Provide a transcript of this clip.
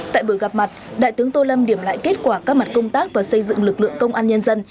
tại buổi gặp mặt đại tướng tô lâm điểm lại kết quả các mặt công tác và xây dựng lực lượng công an nhân dân